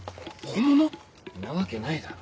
んなわけないだろ